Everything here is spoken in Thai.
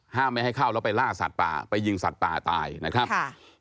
ไม่ให้เข้าแล้วไปล่าสัตว์ป่าไปยิงสัตว์ป่าตายนะครับค่ะ